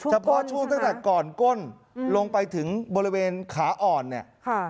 เฉพาะช่วงตั้งแต่ก่อนก้นลงไปถึงบริเวณขาอ่อนเนี่ย